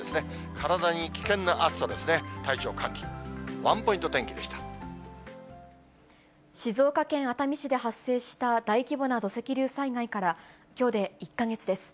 体に危険な暑さですね、体調管理、静岡県熱海市で発生した大規模な土石流災害から、きょうで１か月です。